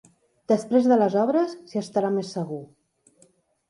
Després de les obres, s'hi estarà més segur.